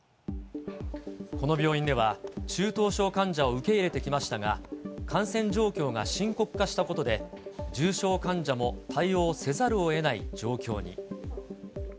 この病院では、中等症患者を受け入れてきましたが、感染状況が深刻化したことで、重症患者も対応せざるをえない状況に。